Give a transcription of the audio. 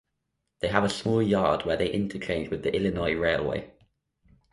They have a small yard, where they interchange with the Illinois Railway.